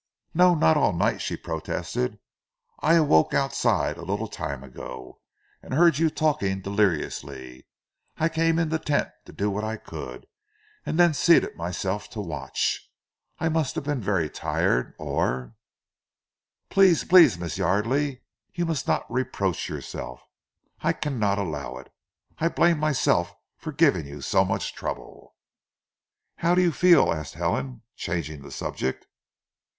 "No, not all night," she protested. "I awoke outside a little time ago, and heard you talking deliriously. I came in the tent to do what I could, and then seated myself to watch. I must have been very tired or " "Please, please, Miss Yardely. You must not reproach yourself. I cannot allow it! I blame myself for giving you so much trouble." "How do you feel?" asked Helen, changing the subject.